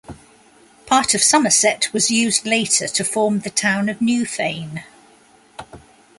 Part of Somerset was used later to form the Town of Newfane.